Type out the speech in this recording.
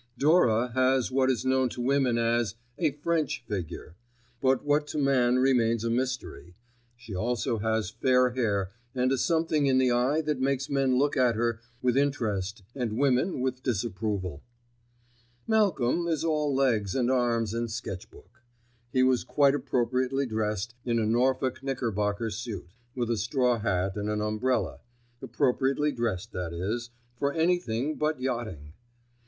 Dora has what is known to women as "a French figure"; but what to man remains a mystery; she also has fair hair and a something in the eye that makes men look at her with interest and women with disapproval. Malcolm is all legs and arms and sketch book. He was quite appropriately dressed in a Norfolk knickerbocker suit, with a straw hat and an umbrella—appropriately dressed, that is, for anything but yachting.